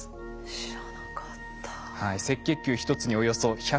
知らなかった。